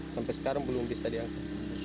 sampai sekarang belum bisa diangkat